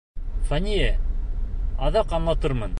Фәниә, аҙаҡ аңлатырмын.